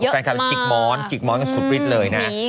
แฟนคลับเยอะมาก